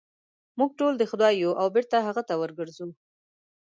موږ ټول د خدای یو او بېرته هغه ته ورګرځو.